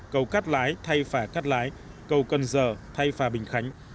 cầu cát lái thay phà cắt lái cầu cần giờ thay phà bình khánh